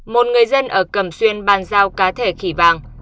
một người dân ở cầm xuyên bàn giao cá thể khỉ vàng